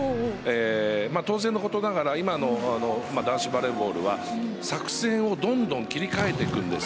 当然のことながら今の男子バレーボールは作戦をどんどん切り替えていくんです。